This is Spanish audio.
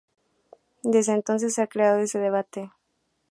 Desde entonces se ha creado ese debate.